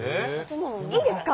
いいですか？